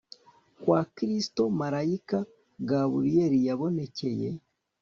kwa Kristo marayika Gaburiyeli yabonekeye